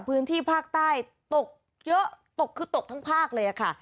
พื้นที่ภาคใต้ตกเยอะตกคือตกทั้งภาคเลยค่ะ